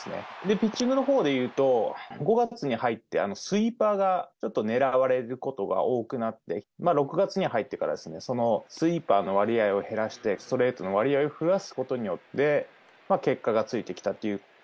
ピッチングのほうでいうと、５月に入ってスイーパーがちょっと狙われることが多くなって、６月に入ってから、そのスイーパーの割合を減らして、ストレートの割合を増やすことによって、結果がついてきたっていう。